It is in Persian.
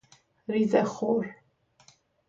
ریزه خور